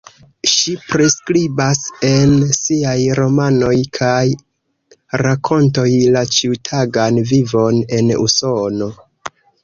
Ŝi priskribas en siaj romanoj kaj rakontoj la ĉiutagan vivon en Usono.